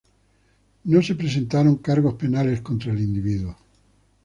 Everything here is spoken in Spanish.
No se presentaron cargos penales contra el individuo.